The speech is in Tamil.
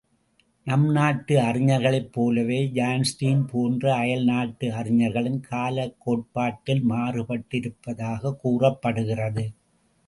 நம் நாட்டு அறிஞர்களைப் போலவே, ஐன்ஸ்டின் போன்ற அயல் நாட்டு அறிஞர்களும் காலக் கோட்பாட்டில் மாறுபட்டிருப்பதாகக் கூறப்படுகிறது.